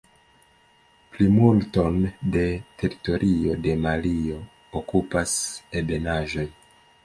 Plimulton de teritorio de Malio okupas ebenaĵoj.